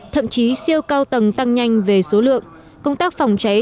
thậm chí siêu cao tầng tăng nhanh về số lượng công tác phòng cháy